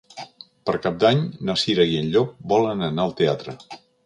Per Cap d'Any na Cira i en Llop volen anar al teatre.